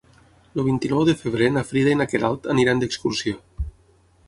El vint-i-nou de febrer na Frida i na Queralt aniran d'excursió.